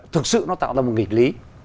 thực sự nó tạo ra một nghịch lý